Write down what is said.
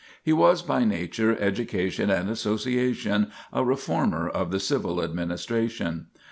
He was by nature, education, and association a reformer of the civil administration.